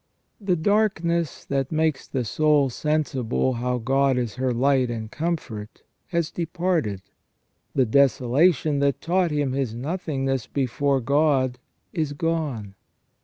'' The darkness that makes the soul sensible how God is. her light and comfort has departed: the desolation that taught him his nothingness before God is gone.